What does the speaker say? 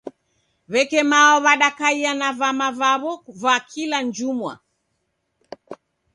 Weke mao wadakaia na vama vawo va kila jumwa.